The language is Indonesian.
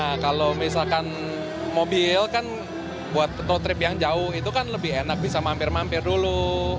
nah kalau misalkan mobil kan buat to trip yang jauh itu kan lebih enak bisa mampir mampir dulu